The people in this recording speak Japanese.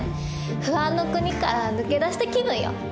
不安の国から抜け出した気分よ。